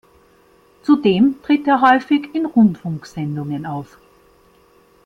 Zudem tritt er häufig in Rundfunksendungen auf.